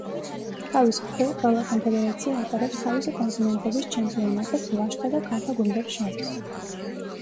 თავის მხრივ ყველა კონფედერაცია ატარებს თავისი კონტინენტების ჩემპიონატებს ვაჟთა და ქალთა გუნდებს შორის.